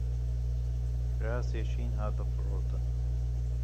Kirasê şîn hat firotin.